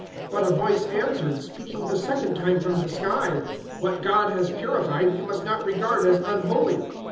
011:009 "But a voice answered, speaking a second time from the sky, "`What God has purified, you must not regard as unholy.'